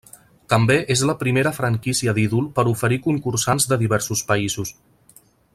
També és la primera franquícia d'ídol per oferir concursants de diversos països.